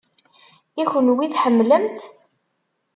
I kenwi, tḥemmlem-tt?